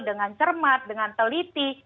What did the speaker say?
dengan cermat dengan teliti